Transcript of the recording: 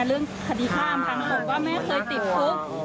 เรื่องคดีข้ามทางบอกว่าแม่เคยติดคุก